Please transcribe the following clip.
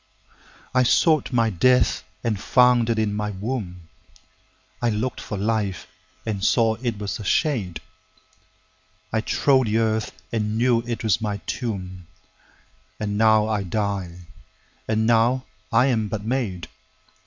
13I sought my death and found it in my womb,14I lookt for life and saw it was a shade,15I trode the earth and knew it was my tomb,16And now I die, and now I am but made.